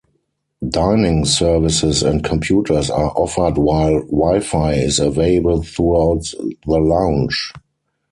Dining services and computers are offered while Wi-Fi is available throughout the lounge.